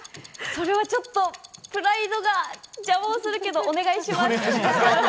それはちょっとプライドが邪魔をするけどお願いします。